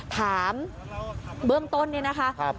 ถามเบื้องต้นนี่นะคะ